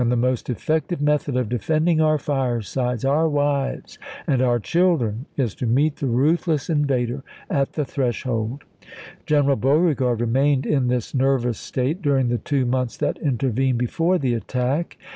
the most effective chap. in. method of defending our firesides, our wives, w.r. Vol. XIV. and our children is to meet the ruthless invader p ?8±. " at the threshold." General Beauregard remained in this nervous state during the two months that intervened before the attack.